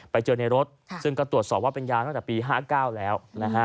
ไปเจอในรถซึ่งก็ตรวจสอบว่าเป็นยาตั้งแต่ปี๕๙แล้วนะฮะ